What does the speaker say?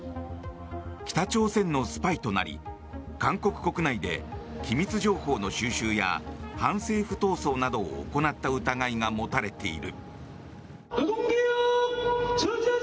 北朝鮮のスパイとなり韓国国内で機密情報の収集や反政府闘争などを行った疑いが持たれている。